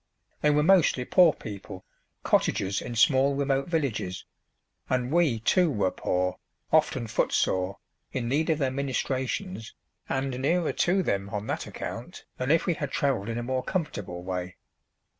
They were mostly poor people, cottagers in small remote villages; and we, too, were poor, often footsore, in need of their ministrations, and nearer to them on that account than if we had travelled in a more comfortable way.